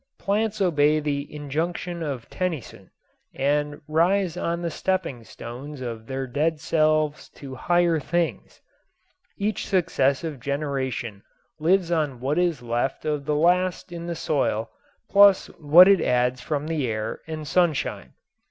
Plants obey the injunction of Tennyson and rise on the stepping stones of their dead selves to higher things. Each successive generation lives on what is left of the last in the soil plus what it adds from the air and sunshine.